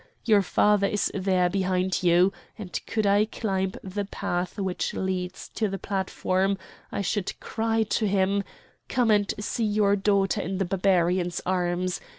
Your father is there behind you; and could I climb the path which leads to the platform, I should cry to him: 'Come and see your daughter in the Barbarian's arms!